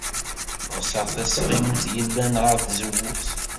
Ɣseɣ tasɣimt yellan ɣer tzewwut.